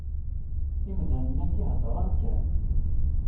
Imdanen-agi heddren kan.